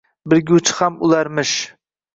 Bilguvchi ham ularmish.